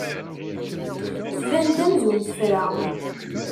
Tban-d amzun terfa.